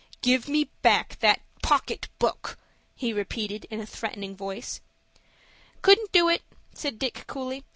"Give me back that pocket book," he repeated in a threatening voice. "Couldn't do it," said Dick, coolly.